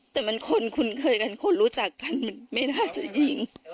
แต่มันคนคุ้นเคยกันคนรู้จักกันมันไม่น่าจะยิง